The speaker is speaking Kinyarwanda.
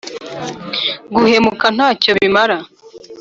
Guhemuka ntacyo bimara